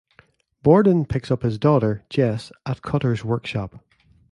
Borden picks up his daughter, Jess, at Cutter's workshop.